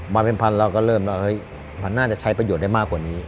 มาเป็นพันเราก็เริ่มแล้วมันน่าจะใช้ประโยชน์ได้มากกว่านี้